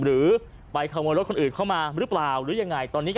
หรือไปข้ามวนรถคนอื่นเข้ามาหรือเปล่าหรือยังไง